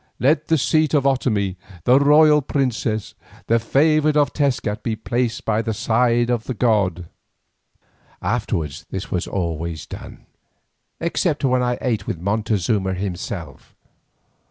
Let the seat of Otomie, the royal princess, the favoured of Tezcat, be placed by the side of the god." Afterwards this was always done, except when I ate with Montezuma himself.